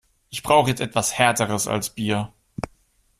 Ich brauche jetzt etwas Härteres als Bier.